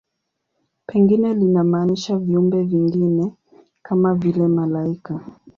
Pengine linamaanisha viumbe vingine, kama vile malaika.